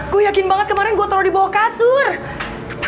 gue yakin banget kemarin gue taruh di bawah kasur